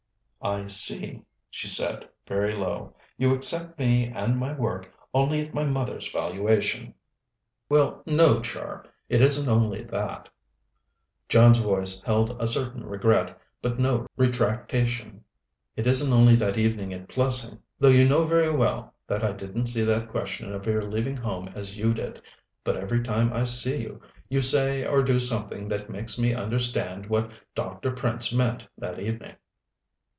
"I see," she said, very low. "You accept me and my work only at my mother's valuation." "Well, no, Char. It isn't only that." John's voice held a certain regret, but no retractation. "It isn't only that evening at Plessing though you know very well that I didn't see that question of your leaving home as you did but every time I see you, you say or do something that makes me understand what Dr. Prince meant that evening."